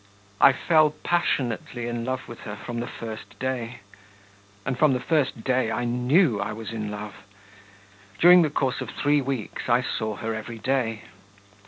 I fell passionately in love with her from the first day, and from the first day I knew I was in love. During the course of three weeks I saw her every day.